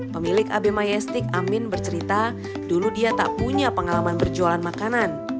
pemilik ab mayastik amin bercerita dulu dia tak punya pengalaman berjualan makanan